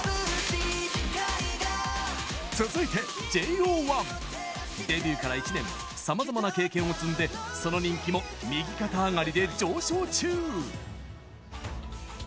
続いて、ＪＯ１。デビューから１年さまざまな経験を積んでその人気も右肩上がりで上昇中！